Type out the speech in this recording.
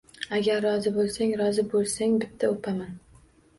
— Agar rozi bo‘lsang… rozi bo‘lsang bitta o‘paman.